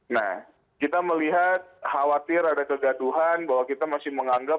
nah kita melihat khawatir ada kegaduhan bahwa kita masih menganggap